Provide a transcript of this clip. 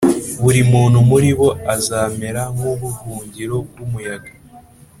Buri muntu muri bo, azamera nk’ubuhungiro bw’umuyaga,